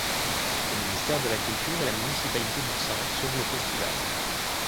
Le ministère de la culture et la municipalité de Saintes sauvent le Festival.